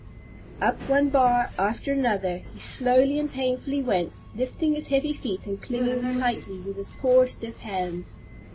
Up one bar after another he slowly and painfully went, lifting his heavy feet and clinging tightly with his poor, stiff hands.